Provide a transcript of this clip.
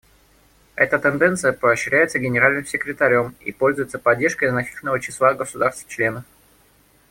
Эта тенденция поощряется Генеральным секретарем и пользуется поддержкой значительного числа государств-членов.